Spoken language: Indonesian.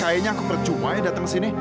kayaknya aku percuma ya dateng kesini